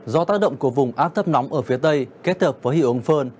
do tác động của vùng áp thấp nóng ở phía tây kết hợp với hiệu ứng phơn